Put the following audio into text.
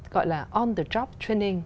gọi là on the job training